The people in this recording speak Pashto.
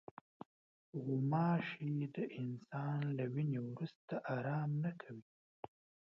غوماشې د انسان له وینې وروسته آرام نه کوي.